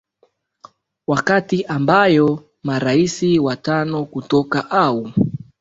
wakati ambayo marais watano kutoka au